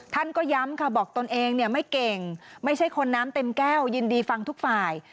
ท่านก็ย้ำค่ะบอกตนเองเนี่ยไม่เก่งไม่ใช่คนน้ำเต็มแก้วยินดีฟังทุกฝ่าย